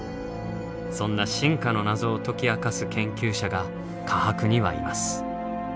そんな進化の謎を解き明かす研究者が科博にはいます。